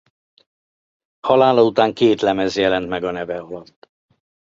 Halála után két lemez jelent meg a neve alatt.